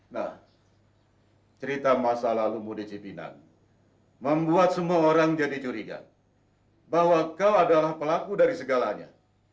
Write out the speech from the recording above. nah cerita masa lalumu di cipinang membuat semua orang jadi curiga bahwa kau adalah pelaku dari segalanya